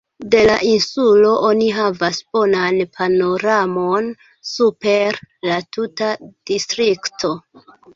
De la insulo oni havas bonan panoramon super la tuta distrikto.